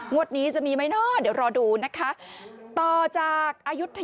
งวดนี้จะมีไหมหน้าเดี๋ยวรอดูนะคะ